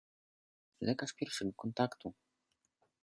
Lekarz pierwszego kontaktu.